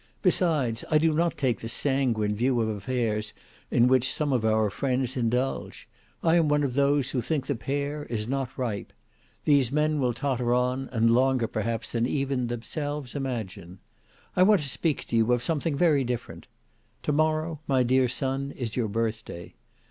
Besides, I do not take the sanguine view of affairs in which some of our friends indulge. I am one of those who think the pear is not ripe. These men will totter on, and longer perhaps than even themselves imagine. I want to speak of something very different. To morrow, my dear son, is your birth day.